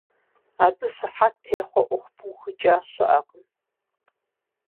Абы щыхьэт техъуэ Ӏуэху пыухыкӀа щыӀэкъым.